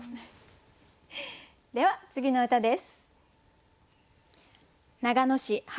では次の歌です。